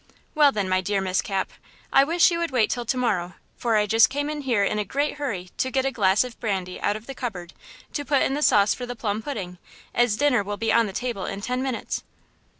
"Well, then, my dear Miss Cap, I wish you would wait till to morrow, for I just came in here in a great hurry to get a glass of brandy out of the cupboard to put in the sauce for the plum pudding, as dinner will be on the table in ten minutes."